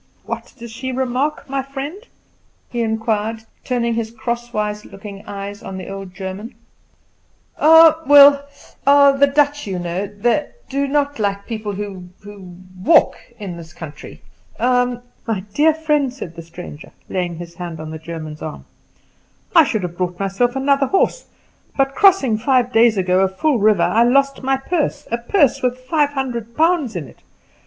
"What does she remark, my friend?" he inquired, turning his crosswise looking eyes on the old German. The German rubbed his old hands and hesitated. "Ah well ah the Dutch you know do not like people who walk in this country ah!" "My dear friend," said the stranger, laying his hand on the German's arm, "I should have bought myself another horse, but crossing, five days ago, a full river, I lost my purse a purse with five hundred pounds in it.